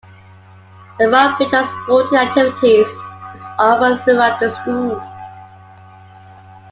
A broad range of sporting activities is offered throughout the School.